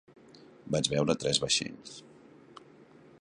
Vaig veure tres vaixells.